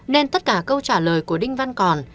nên tất cả câu trả lời của đinh văn còn